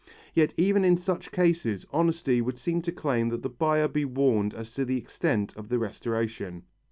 Yet even in such cases honesty would seem to claim that the buyer be warned as to the extent of the restoration.